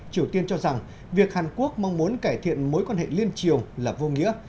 triều tiên cho rằng việc hàn quốc mong muốn cải thiện mối quan hệ liên triều là vô nghĩa